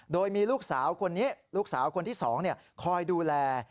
โดยมีลูกสาวคนนี้ลูกสาวคนที่๒คอยดูแล